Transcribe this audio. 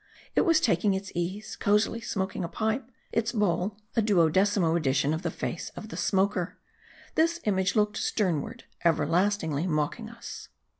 It was taking its ease ; cosily smoking a pipe ; its bowl, a duodecimo edition of the face of the smoker. This image looked stern ward ; everlastingly mocking us.